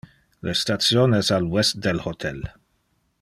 Le station es al west del hotel.